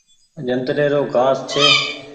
جنتري رو گآس ڇي۔